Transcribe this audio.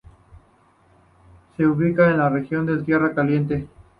Se ubica en la región de Tierra Caliente.